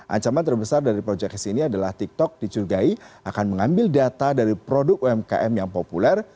ancaman terbesar dari projek s ini adalah tiktok diculgai akan mengambil data dari produk umkm yang populer